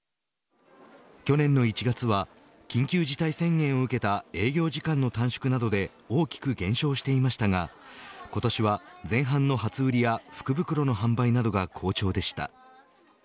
去年の１月は緊急事態宣言を受けた営業時間の短縮などで大きく減少していましたが今年は前半の初売りや福袋の販売などが好調でした。